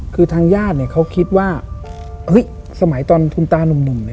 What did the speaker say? คือทางญาติเนี่ยเขาคิดว่าเฮ้ยสมัยตอนคุณตานุ่มเนี่ย